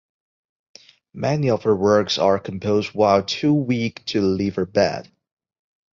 Many of her works are composed while too weak to leave her bed.